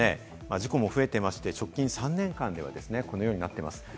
事故も増えていて直近３年間ではこのようになっています。